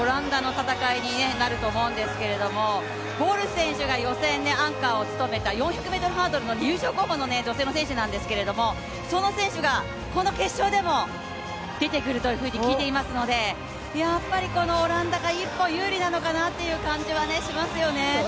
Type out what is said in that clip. アメリカ、そしてオランダの戦いになると思うんですが、ボル選手が予選アンカーを務めた、４００ｍハードルの優勝候補の選手なんですけどその選手がこの決勝でも出てくると聞いていますので、やっぱりこのオランダが一歩、有利なのかなという感じはしますよね。